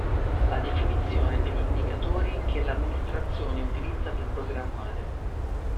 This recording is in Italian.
La definizione degli indicatori che l'amministrazione utilizza per programmare.